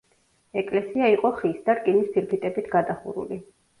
ეკლესია იყო ხის და რკინის ფირფიტებით გადახურული.